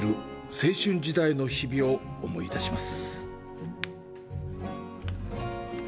青春時代の日々を思い出します。